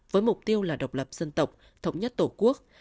với mục tiêu là độc lập dân tộc thống nhất tổ quốc